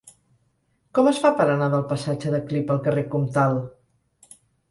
Com es fa per anar del passatge de Clip al carrer Comtal?